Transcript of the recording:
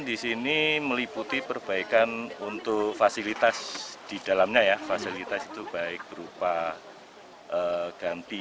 di sini meliputi perbaikan untuk fasilitas di dalamnya ya fasilitas itu baik berupa ganti